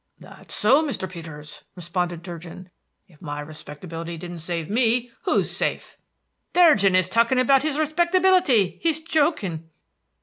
"That's so, Mr. Peters," responded Durgin. "If my respectability didn't save me, who's safe?" "Durgin is talking about his respectability! He's joking."